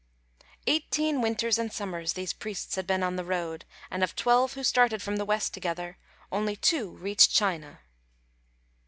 Eighteen winters and summers these priests had been on the road; and of twelve who started from the west together, only two reached China.